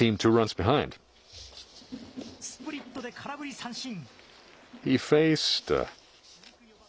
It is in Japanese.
スプリットで空振り三振。